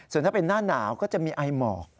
ส่วนถ้าเป็นหน้าหนาวก็จะมีไอหมอก